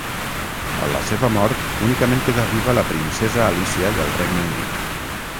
A la seva mort únicament quedà viva la princesa Alícia del Regne Unit.